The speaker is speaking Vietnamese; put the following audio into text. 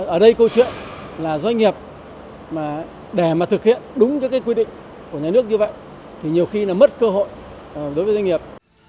ở đây câu chuyện là doanh nghiệp mà để mà thực hiện đúng các quy định của nhà nước như vậy thì nhiều khi là mất cơ hội đối với doanh nghiệp